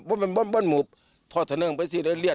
บ้านบ้านบ้านหมูบทอดทะเนิงไปสิ